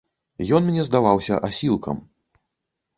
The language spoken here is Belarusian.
Ён мне здаваўся асілкам.